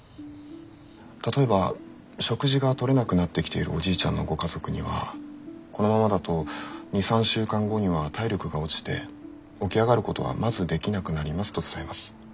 例えば食事が取れなくなってきているおじいちゃんのご家族にはこのままだと２３週間後には体力が落ちて起き上がることはまずできなくなりますと伝えます。